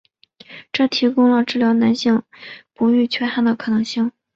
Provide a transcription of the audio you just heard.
这提供了治疗男性不育缺憾的可能性。